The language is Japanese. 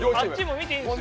見ていいっすよ。